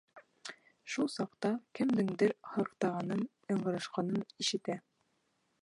Шул саҡта кемдеңдер һыҡтағанын, ыңғырашҡанын ишетә.